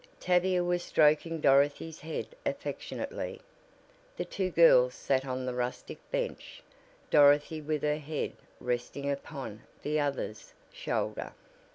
Tavia was stroking Dorothy's head affectionately. The two girls sat on the rustic bench, Dorothy with her head resting upon the other's shoulder.